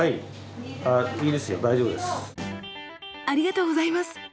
ありがとうございます！